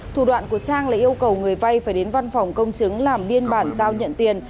thủ đoạn của trang là yêu cầu người vay phải đến văn phòng công chứng làm biên bản giao nhận tiền